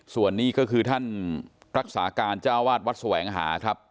ส่วนนี้ก็คือท่านรักษาการเจ้าวาดวัดแสวงหาครับ